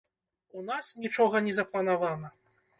У нас нічога не запланавана.